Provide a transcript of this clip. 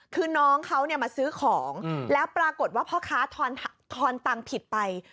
คือน้องเขามาซื้อของแล้วปรากฏว่าพ่อค้าทอนตังค์ผิดไป